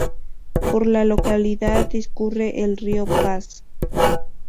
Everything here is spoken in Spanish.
Por la localidad discurre el río Paz.